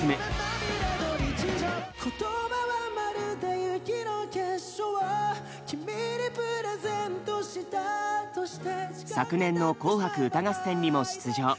バンド昨年の「紅白歌合戦」にも出場。